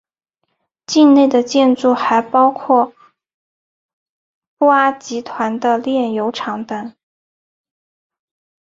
境内的建筑还包括布阿集团的炼油厂等。